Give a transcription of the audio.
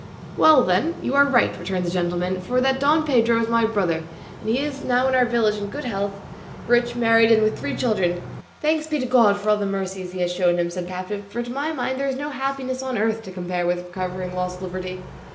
"Well then, you are right," returned the gentleman, "for that Don Pedro is my brother, and he is now in our village in good health, rich, married, and with three children." "Thanks be to God for all the mercies he has shown him," said the captive; "for to my mind there is no happiness on earth to compare with recovering lost liberty."